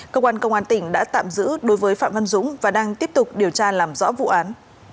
cơ quan công an tỉnh đã tạm giữ đối với phạm văn dũng và đang tiếp tục điều tra làm rõ vụ án